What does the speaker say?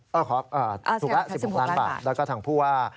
หนึ่งอ้อถูกแล้ว๑๖ล้านบาทแล้วก็ทางผู้ว่า